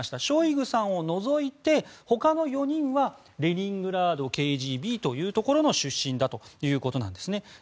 ショイグさんを除いてほかの４人はレニングラードＫＧＢというところの出身だということです。